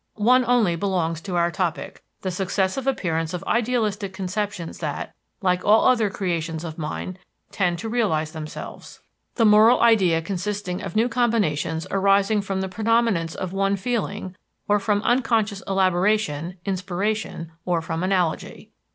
One only belongs to our topic the successive appearance of idealistic conceptions that, like all other creations of mind, tend to realize themselves, the moral ideal consisting of new combinations arising from the predominance of one feeling, or from an unconscious elaboration (inspiration), or from analogy.